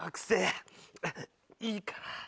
いいかな？